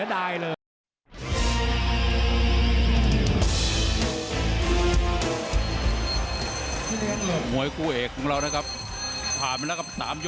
โอ้โหโอ้โหโอ้โหโอ้โหโอ้โหโอ้โห